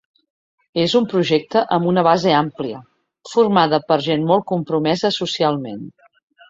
És un projecte amb una base àmplia, formada per gent molt compromesa socialment.